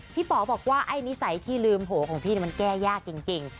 ป๋อบอกว่าไอ้นิสัยที่ลืมโหของพี่มันแก้ยากจริง